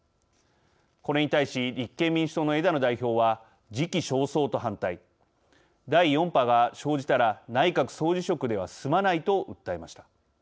これに対し立憲民主党の枝野代表は時期尚早と反対第４波が生じたら内閣総辞職では済まないと訴えました。